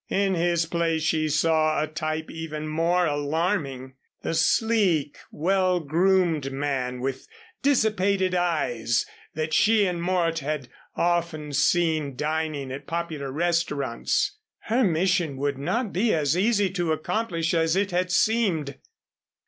In his place she saw a type even more alarming the sleek, well groomed man with dissipated eyes that she and Mort had often seen dining at popular restaurants. Her mission would not be as easy to accomplish as it had seemed.